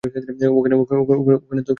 ওখানে তো কেউ নেই!